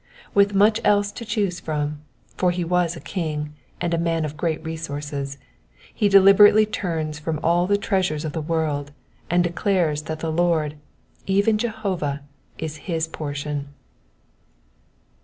With much else to choose from, for he was a king, and a man of ^reat resoiu'ces, he deliberately turns from all the treasures of the world, and declares that the Lord, even Jehovah, is his portion.